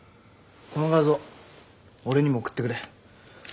この画像俺にも送ってくれ。